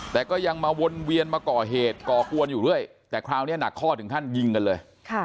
แต่ก็ยังมาวนเวียนมาก่อเหตุก่อกวนอยู่เรื่อยแต่คราวนี้หนักข้อถึงขั้นยิงกันเลย